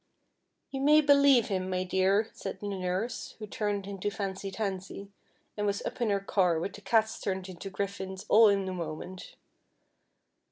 " You may believe him, my dear," said the nurse, who FEATHER HEAD. 2.13 turned into Fancy Tansy, and was up in licr car with the cats turned into griffins all in a moment.